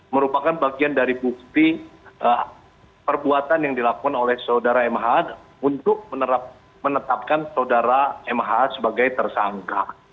merupakan bagian dari bukti perbuatan yang dilakukan oleh saudara mh untuk menetapkan saudara mh sebagai tersangka